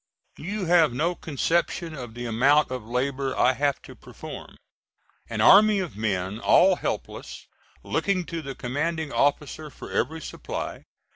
You have no conception of the amount of labor I have to perform. An army of men all helpless, looking to the commanding officer for every supply.